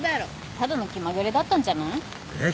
ただの気まぐれだったんじゃない？えっ。